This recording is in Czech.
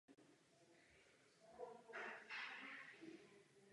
Všechny mají potenciál vytvářet pracovní místa a růst.